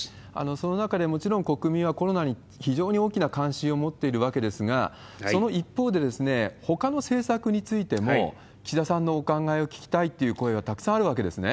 その中でもちろん、国民はコロナに非常に大きな関心を持っているわけですが、その一方で、ほかの政策についても、岸田さんのお考えを聞きたいっていう声がたくさんあるわけですね。